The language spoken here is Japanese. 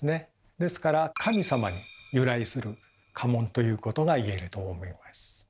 ですから神様に由来する家紋ということが言えると思います。